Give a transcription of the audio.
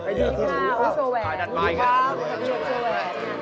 อีกหน้าจะแหวน